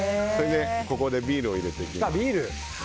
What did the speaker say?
ここでビールを入れていきます。